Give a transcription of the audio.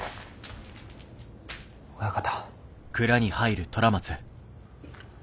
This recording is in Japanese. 親方。